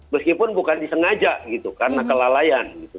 meskipun bukan disengaja gitu karena kelalaian gitu